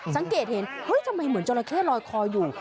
สังเกตเห็นเฮ้ยทำไมเหมือนจราเข้ลอยคออยู่